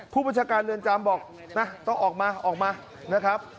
ผู้ประชาการเรือนจำบอกต้องออกมาออกมา